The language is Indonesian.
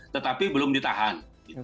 tetapi belum ditahan